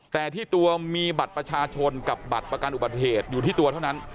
แต่ที่ตัวมีบัตรประชาชนกับบัตรประกันอุบัติเหตุอยู่ที่ตัวเท่านั้น